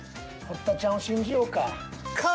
堀田ちゃんを信じようか。